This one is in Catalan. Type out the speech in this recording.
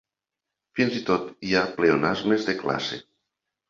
Fins i tot hi ha pleonasmes de classe.